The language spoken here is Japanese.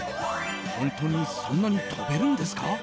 本当にそんなに跳べるんですか？